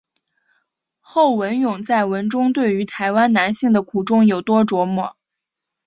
侯文咏在文中对于台湾男性的苦衷有多琢磨。